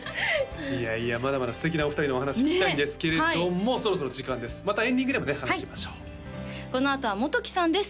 いやいやまだまだ素敵なお二人のお話聞きたいんですけれどもそろそろ時間ですまたエンディングでもね話しましょうこのあとはＭｏｔｏｋｉさんです